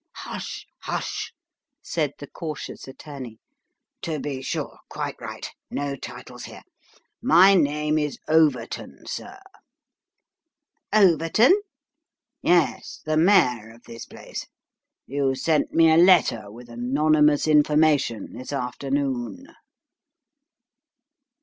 " Hush hush !" said the cautious attorney :" to be sure quite right no titles here my name is Overton, sir." " Overton ?"" Yes : the mayor of this place you sent me a letter with anonymous information, this afternoon."